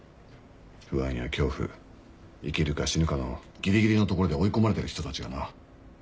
不安や恐怖生きるか死ぬかのぎりぎりのところで追い込まれてる人たちがな。